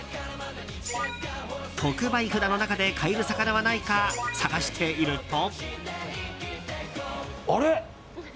特売札の中で買える魚はないか探していると。